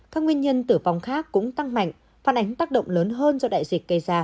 các nguyên nhân tử vong khác cũng tăng mạnh phản ánh tác động lớn hơn do đại dịch gây ra